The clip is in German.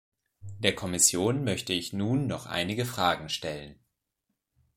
Der Kommission möchte ich nun noch einige Fragen stellen.